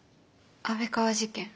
安倍川事件。